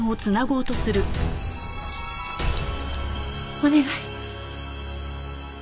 お願い！